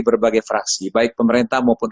berbagai fraksi baik pemerintah maupun